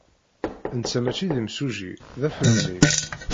Netta maci d imsujji, d afremli.